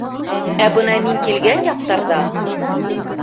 Ә бына мин килгән яҡтарҙа...